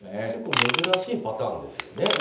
結構珍しいパターンですよね。